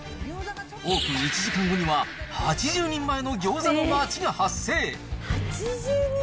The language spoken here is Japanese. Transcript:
オープン１時間後には８０人前の餃子の待ちが発生。